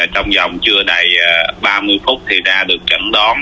trong dòng trưa đầy ba mươi phút thì ra được chẩn đoán